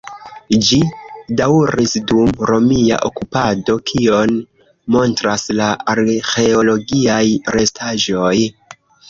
Ĝi daŭris dum romia okupado, kion montras la arĥeologiaj restaĵoj.